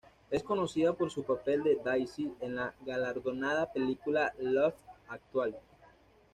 Es conocida por su papel de "Daisy" en la galardonada película Love Actually.